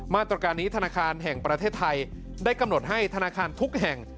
มาตรการนี้ธนาคารแห่งประเทศไทยได้กำหนดให้ธนาคารทุกแห่ง